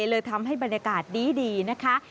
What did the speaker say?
เลยทำให้บรรยากาศดีนะคะ